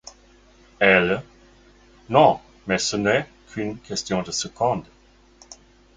Elle : Non, mais ce n’est qu’une question de secondes.